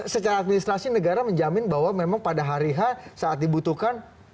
secara administrasi negara menjamin bahwa memang pada hari h saat dibutuhkan